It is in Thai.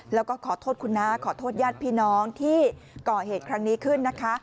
แล้วก็ขอโทษคุณน้าขอโทษญาติพี่น้องที่ก่อเหตุครั้งนี้ขึ้นนะคะ